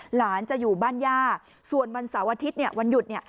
หลานจะอยู่บ้านย่าส่วนวันเสาร์อาทิตย์เนี่ยวันหยุดเนี่ย